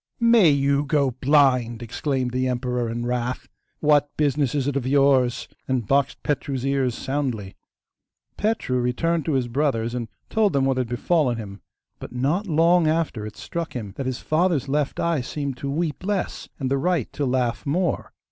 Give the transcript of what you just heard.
'May you go blind!' exclaimed the emperor in wrath; 'what business is it of yours?' and boxed Petru's ears soundly. Petru returned to his brothers, and told them what had befallen him; but not long after it struck him that his father's left eye seemed to weep less, and the right to laugh more.